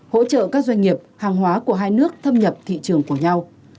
hỗ trợ các doanh nghiệp hàng hóa của hai nước thâm nhập thị trường của nhau